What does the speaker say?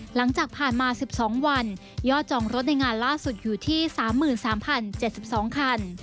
หลังจากผ่านมาสิบสองวันยอดจองรถในงานล่าสุดอยู่ที่สามหมื่นสามพันเจ็ดสิบสองคัน